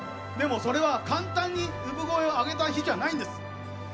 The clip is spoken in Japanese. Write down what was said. でもそれは簡単に産声を上げた日じゃないんです。